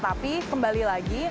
tetapi kembali lagi